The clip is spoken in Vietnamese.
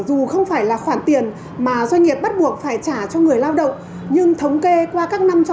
dù rằng nó ít hơn so với các doanh nghiệp này